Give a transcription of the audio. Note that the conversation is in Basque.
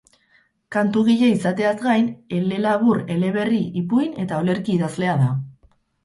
Kantugile izaiteaz gain, elelabur, eleberri, ipuin eta olerki idazlea da.